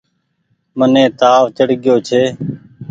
مني تآو چڙگيو ڇي۔